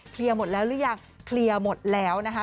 เคลียร์หมดแล้วหรือยังเคลียร์หมดแล้วนะฮะ